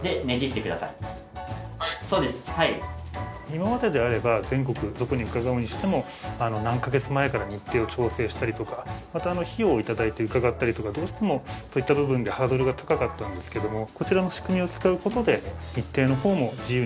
今までであれば全国どこに伺うにしても何カ月前から日程を調節したりとかまた費用を頂いて伺ったりとかどうしてもそういった部分でハードルが高かったんですけども。